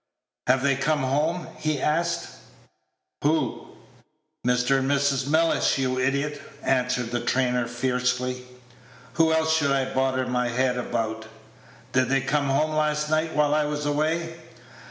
"Have they come home?" he asked. "Who?" "Mr. and Mrs. Mellish, you idiot!" answered the trainer, fiercely. "Who else should I bother my head about? Did they come home last night while I was away?"